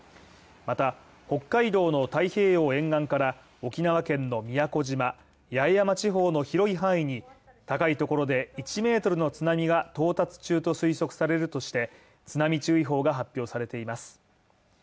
また、北海道の太平洋沿岸から、沖縄県の宮古島・八重山地方の広い範囲に高いところで１ｍの津波が到達中と推測されるとして、津波注意報が発表されています。